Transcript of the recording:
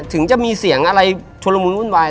ถึงจะมีเสียงอะไรชุลมุนวุ่นวาย